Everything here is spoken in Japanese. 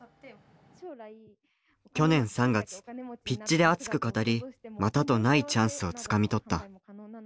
去年３月ピッチで熱く語りまたとないチャンスをつかみ取った。